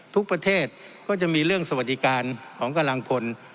ทุกประเทศก็จะมีเรื่องสวัสดิการของกำลังพล